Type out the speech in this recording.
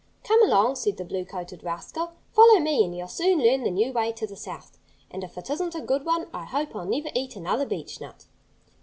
"Come along!" said the blue coated rascal. "Follow me and you'll soon learn the new way to the South. And if it isn't a good one I hope I'll never eat another beechnut."